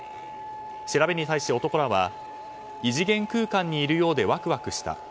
調べに対し、男らは異次元空間にいるようでワクワクした。